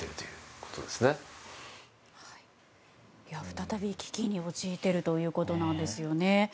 再び危機に陥っているということなんですよね。